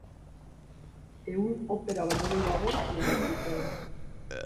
Ehun opera baino gehiago idatzi zituen.